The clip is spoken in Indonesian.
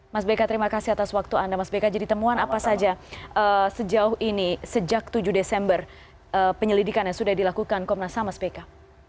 mas beka terima kasih atas waktu anda mas beka jadi temuan apa saja sejauh ini sejak tujuh desember penyelidikan yang sudah dilakukan komnas ham mas beka